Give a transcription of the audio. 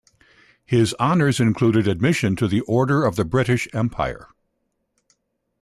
His honors included admission to the Order of the British Empire.